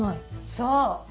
そう！